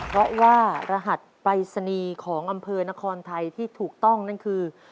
เพราะว่ารหัสปรายศนีย์ของอำเภอนครไทยที่ถูกต้องนั่นคือ